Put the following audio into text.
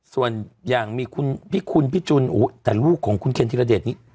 ส่วนอย่างมีคุณพี่คุณพี่จุนแต่ลูกของคุณเคนธิรเดชนี้